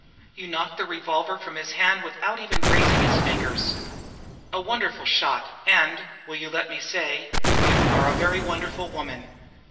You knocked the revolver from his hand without even grazing his fingers. A very wonderful shot, and will you let me say it? you are a very wonderful woman."